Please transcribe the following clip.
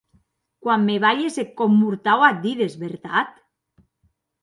Quan me balhes eth còp mortau ac dides, vertat?